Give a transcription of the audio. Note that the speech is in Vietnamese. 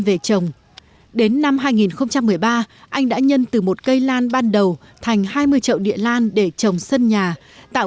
về trồng đến năm hai nghìn một mươi ba anh đã nhân từ một cây lan ban đầu thành hai mươi trậu địa lan để trồng sân nhà tạo